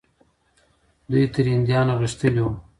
دوی تر هندیانو غښتلي وو.